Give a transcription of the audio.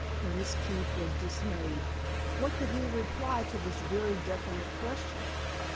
Curtis Keefe was dismayed. What could he reply to this very definite question?